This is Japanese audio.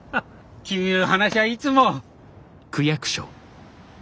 君の話はいつも。